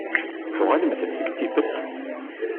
Tuɣalemt-d seg Tibet?